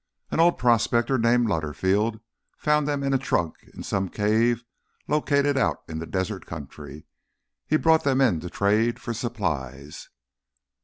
"An old prospector named Lutterfield found them in a trunk in some cave he located out in the desert country. He brought them in to trade for supplies."